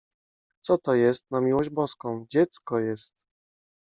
— Co to jest, na miłość boską? — Dziecko jest.